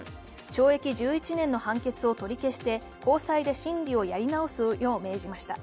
懲役１１年の判決を取り消して高裁で審理をやり直すように命令しました。